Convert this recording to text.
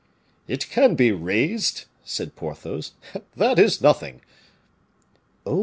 "It can be raised," said Porthos; "that is nothing." "Oh!